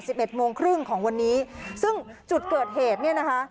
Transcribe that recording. เอ็ดโมงครึ่งของวันนี้ซึ่งจุดเกิดเหตุเนี่ยนะคะ